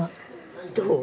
どう？